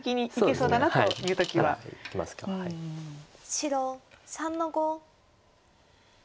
白３の五。